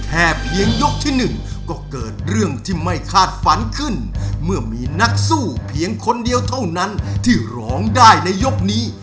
เพียงยกที่หนึ่งก็เกิดเรื่องที่ไม่คาดฝันขึ้นเมื่อมีนักสู้เพียงคนเดียวเท่านั้นที่ร้องได้ในยกนี้